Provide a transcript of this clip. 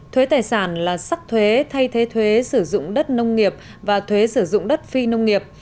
thuế tài sản là sắc thuế thay thế thuế sử dụng đất nông nghiệp và thuế sử dụng đất phi nông nghiệp